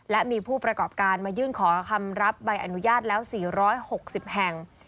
และมีผู้ประกอบการมายื่นขอคำรับใบอนุญาตแล้ว๔๖๐แห่ง